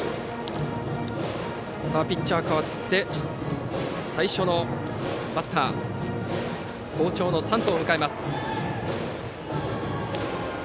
ピッチャー代わって最初のバッター好調の山藤を迎えます。